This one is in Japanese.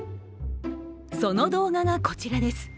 その動画が、こちらです。